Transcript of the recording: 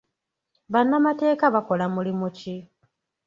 Bannamateeka bakola mulimu ki?